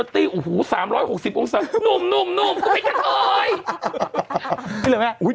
ได้แล้วไหม